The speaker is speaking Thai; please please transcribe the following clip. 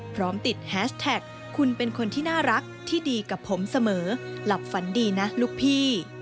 พร้อมติดแฮชแท็กคุณเป็นคนที่น่ารักที่ดีกับผมเสมอหลับฝันดีนะลูกพี่